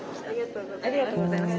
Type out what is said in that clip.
ありがとうございます。